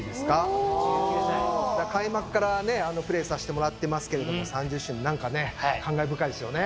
開幕からねプレーさせてもらってますけれども３０周年何かね感慨深いですよね。